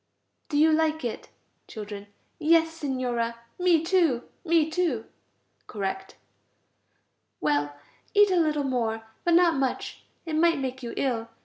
Do you like it? Children. Yes, Signora. Me too, me too (correct). Well, eat a little more, but not much, it might make you ill.